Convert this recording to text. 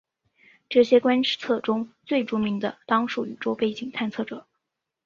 这些观测中最著名的当属宇宙背景探测者。